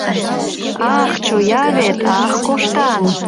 Ах, чоя вет, ах, коштан!